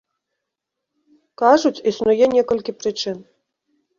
Кажуць, існуе некалькі прычын.